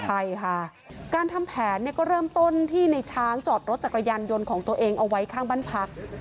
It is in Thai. ใช่ค่ะการทำแผนเนี่ยก็เริ่มต้นที่ในช้างจอดรถจักรยานยนต์ของตัวเองเอาไว้ข้างบ้านพัก